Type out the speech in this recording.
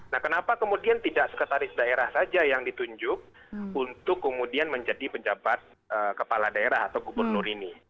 nah kenapa kemudian tidak sekretaris daerah saja yang ditunjuk untuk kemudian menjadi pejabat kepala daerah atau gubernur ini